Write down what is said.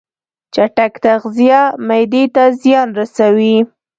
چټک تغذیه معدې ته زیان رسوي.